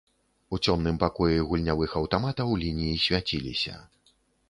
У цёмным пакоі гульнявых аўтаматаў лініі свяціліся.